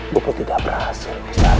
bobo tidak berhasil menemukan arasati